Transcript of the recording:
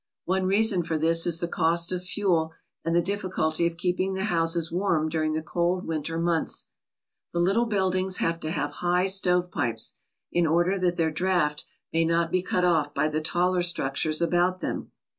One reason for this is the cost of fuel and the difficulty of keeping the houses warm during the cold winter months. The little buildings have to have high stovepipes, in order that their draught may not be cut off by the taller structures about them.